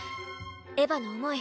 エヴァの思い